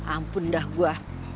ampun dah gua